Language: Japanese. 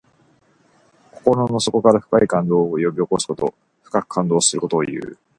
心の底から深い感動を呼び起こすこと。深く感動することをいう。